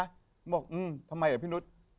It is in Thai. ผมบอกอืมทำไมเหรอพี่นุส